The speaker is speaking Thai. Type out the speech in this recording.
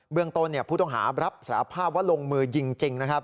เรื่องต้นผู้ต้องหารับสารภาพว่าลงมือยิงจริงนะครับ